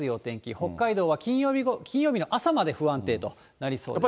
北海道は金曜日の朝まで不安定となりそうです。